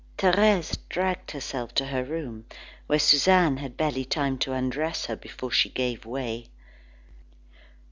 Thérèse dragged herself to her room, where Suzanne had barely time to undress her before she gave way.